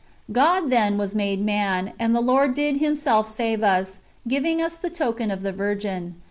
God, then, was made man, and the Lord did Himself save us, giving us the token of the Virgin.